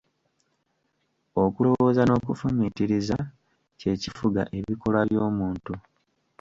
Okulowooza n'okufumiitiriza kye kifuga ebikolwa by'omuntu